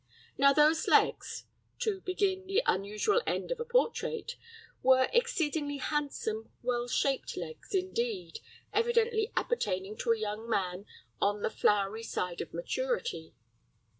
Now those legs to begin at the unusual end of a portrait were exceedingly handsome, well shaped legs, indeed, evidently appertaining to a young man on the flowery side of maturity.